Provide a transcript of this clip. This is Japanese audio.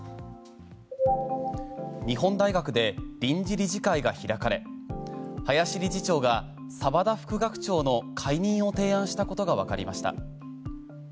日本大学で臨時理事会が開かれ林理事長が澤田副学長の解任を提案したことがわかりました。